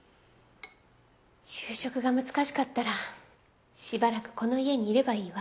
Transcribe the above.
就職が難しかったらしばらくこの家にいればいいわ。